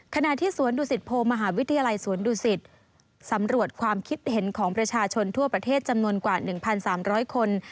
ขณะที่สวนดุสิตโพมหาวิทยาลัยสวนดุสิตสำรวจความคิดเห็นของประชาชนทั่วประเทศจำนวนกว่า๑๓๐๐คน